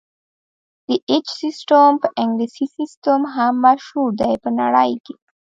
د ایچ سیسټم په انګلیسي سیسټم هم مشهور دی په نړۍ کې.